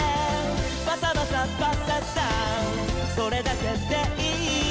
「バサバサッバッサッサーそれだけでいい」